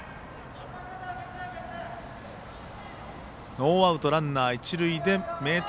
ノーアウトランナー、一塁で明徳